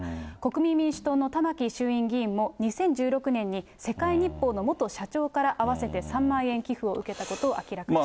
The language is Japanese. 国民民主党の玉木衆院議員も２０１６年に世界日報の元社長から合わせて３万円寄付を受けたことを明らかにしています。